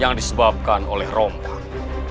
yang disebabkan oleh rompang